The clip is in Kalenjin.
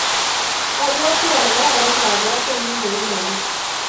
Abwoti ale kararan kabwateng'ung' kou nenyu.